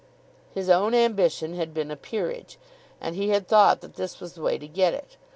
His own ambition had been a peerage, and he had thought that this was the way to get it.